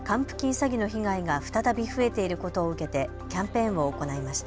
詐欺の被害が再び増えていることを受けてキャンペーンを行いました。